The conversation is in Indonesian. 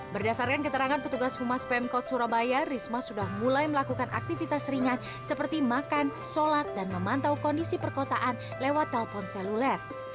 berdasarkan keterangan petugas humas pemkot surabaya risma sudah mulai melakukan aktivitas ringan seperti makan sholat dan memantau kondisi perkotaan lewat telpon seluler